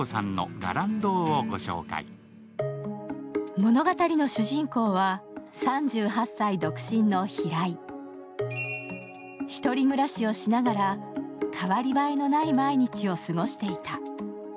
物語の主人公は、３８歳独身の平井１人暮らしをしながら変わりばえのない毎日を過ごしていた。